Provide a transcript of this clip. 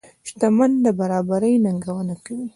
شتمن د برابرۍ ننګونه کوي.